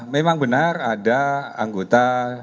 memang benar ada anggota